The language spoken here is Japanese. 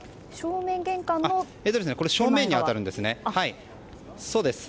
ここは正面に当たるんですね。